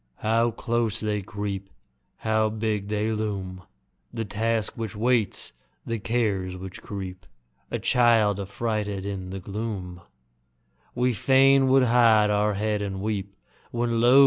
How close they creep! How big they loom! The Task which waits, the Cares which creep; A child, affrighted in the gloom, We fain would hide our head and weep. When, lo!